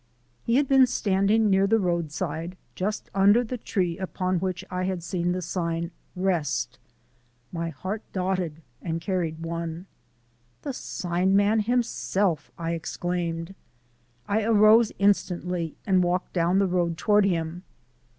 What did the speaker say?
He had been standing near the roadside, just under the tree upon which I had seen the sign, "Rest." My heart dotted and carried one. "The sign man himself!" I exclaimed. I arose instantly and walked down the road toward him.